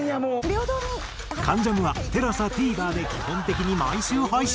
『関ジャム』はＴＥＬＡＳＡＴＶｅｒで基本的に毎週配信。